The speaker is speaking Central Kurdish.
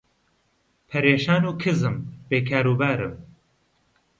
پەرێشان و کزم بێ کاروبارم